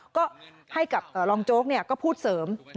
ก็ให้กับรองโจ๊กก็พูดเสริม